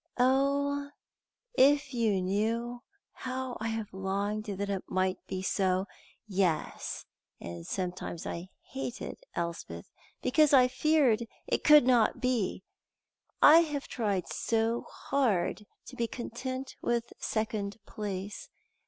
"Oh, if you knew how I have longed that it might be so, yes, and sometimes hated Elspeth because I feared it could not be! I have tried so hard to be content with second place.